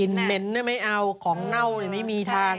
กินเหม็นได้ไม่เอาของเหล้าไม่มีทาง